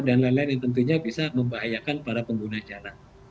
dan lain lain yang tentunya bisa membahayakan para pengguna jalan